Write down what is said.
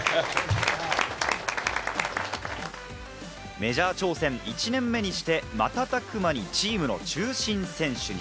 メジャー挑戦１年目にして瞬く間にチームの中心選手に。